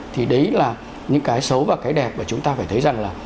thì đấy là những cái xấu và cái đẹp mà chúng ta phải thấy rằng là